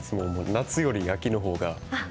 夏より秋の方が。